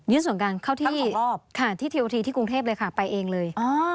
ยื่นส่วนกลางเข้าที่ทีโอทีที่กรุงเทพเลยค่ะไปเองเลย